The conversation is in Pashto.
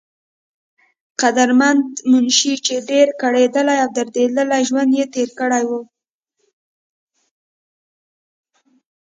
قدرمند منشي، چې ډېر کړېدلے او درديدلے ژوند تير کړے وو